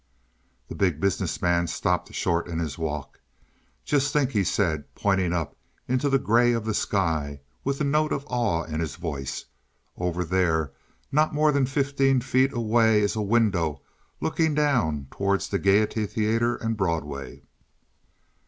The Big Business Man stopped short in his walk. "Just think," he said pointing up into the gray of the sky, with a note of awe in his voice, "over there, not more than fifteen feet away, is a window, looking down towards the Gaiety Theater and Broadway."